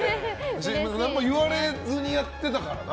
何も言われずにやってたからな。